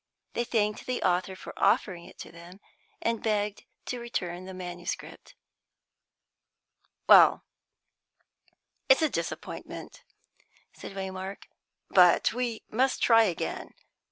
They thanked the author for offering it to them, and begged to return the MS. "Well, it's a disappointment," said Waymark, "but we must try again.